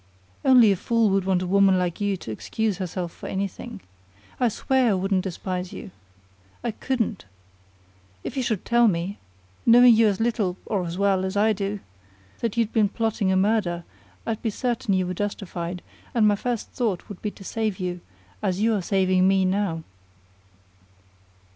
"Only a fool would want a woman like you to excuse herself for anything. I swear I wouldn't despise you. I couldn't. If you should tell me knowing you as little, or as well, as I do, that you'd been plotting a murder, I'd be certain you were justified, and my first thought would be to save you, as you're saving me now."